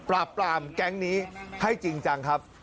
ปราบปรามแก๊งนี้ให้จริงจังครับ